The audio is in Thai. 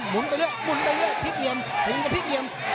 หมุนไปเรื่อย้ิงจะพลิกเหยยม